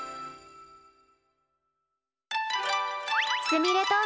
すみれと。